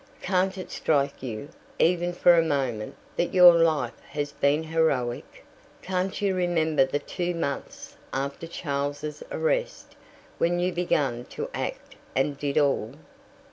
Can't it strike you even for a moment that your life has been heroic? Can't you remember the two months after Charles's arrest, when you began to act, and did all?"